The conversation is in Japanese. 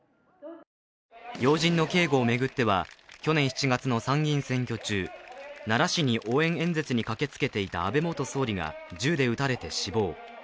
要人の警護を巡っては、去年７月の参議院選挙中、奈良市に応援演説に駆けつけていた安倍元総理が銃で撃たれて死亡。